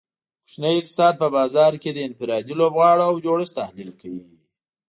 کوچنی اقتصاد په بازار کې د انفرادي لوبغاړو او جوړښت تحلیل کوي